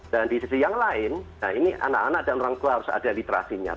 dan di sisi yang lain nah ini anak anak dan orang tua harus ada literasinya